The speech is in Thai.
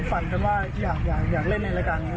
ฝันกันว่าอยากเล่นในรายการนี้